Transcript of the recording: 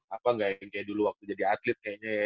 apa nggak yang kayak dulu waktu jadi atlet kayaknya ya